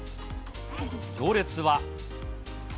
行列は。